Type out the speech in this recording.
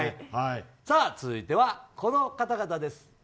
続いてはこの方々です。